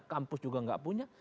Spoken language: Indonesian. kampus juga tidak punya